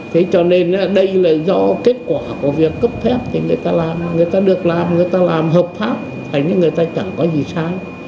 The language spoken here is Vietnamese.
thế cho nên đây là do kết quả của việc cấp phép thì người ta làm người ta được làm người ta làm hợp pháp hay người ta chẳng có gì sai